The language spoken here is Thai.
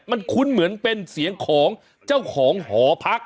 มันคุ้นเหมือนเป็นเสียงของเจ้าของหอพัก